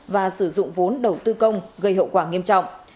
và sử dụng vốn đầu tư công gây hậu quả nghiêm trọng